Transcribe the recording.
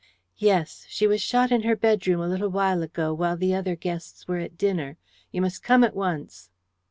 "Yes. She was shot in her bedroom a little while ago while the other guests were at dinner. You must come at once."